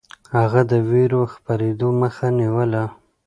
هغه د وېرو خپرېدو مخه نيوله.